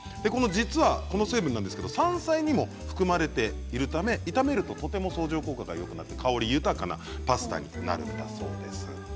実はこの成分なんですけれども山菜にも含まれているため炒めると相乗効果で香り豊かなパスタになるんだそうです。